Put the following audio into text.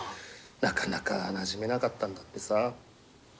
なかなかなじめなかったんだってさ。